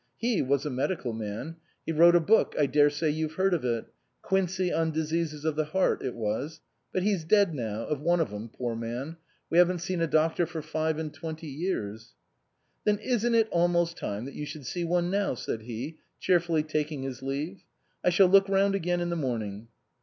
He was a medical man. He wrote a book, I daresay you've heard of it ; Quincey on Diseases of the Heart it was. But he's dead now, of one of 'em, poor man. We haven't seen a doctor for five and twenty years." " Then isn't it almost time that you should see one now?" said he, cheerfully taking his leave. " I shall look round again in the morn ing."